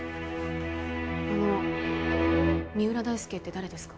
あの三浦大輔って誰ですか？